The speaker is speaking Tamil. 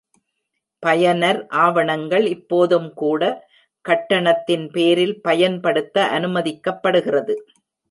பயனர் ஆவணங்கள் இப்போதும் கூட கட்டணத்தின் பேரில் பயன்படுத்த அனுமதிக்கப்படுகிறது.